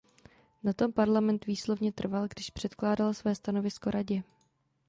Na tom Parlament výslovně trval, když předkládal své stanovisko Radě.